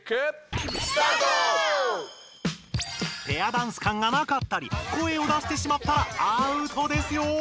ペアダンス感がなかったり声を出してしまったらアウトですよ！